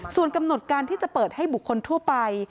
ส่วนกำหนดการที่จะเปิดให้บุคคลทั่วไป